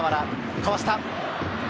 かわした。